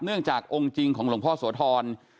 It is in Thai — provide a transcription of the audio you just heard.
เนื่องจากองค์จริงของหลวงพ่อโสธร